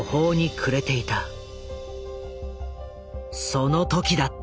その時だった。